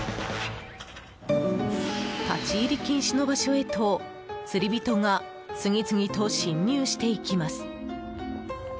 立ち入り禁止の場所へと釣り人が次々と侵入していきます。